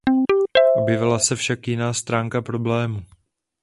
Objevila se však jiná stránka problému.